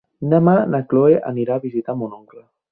Demà na Cloè anirà a visitar mon oncle.